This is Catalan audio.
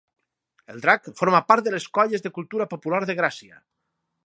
El Drac forma part de les Colles de Cultura Popular de Gràcia.